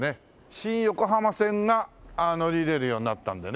新横浜線が乗り入れるようになったんでね